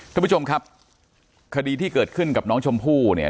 ท่านผู้ชมครับคดีที่เกิดขึ้นกับน้องชมพู่เนี่ย